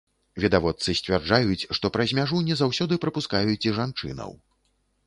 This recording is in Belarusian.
Відавочцы сцвярджаюць, што праз мяжу не заўсёды прапускаюць і жанчынаў.